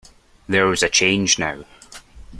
There was a change now.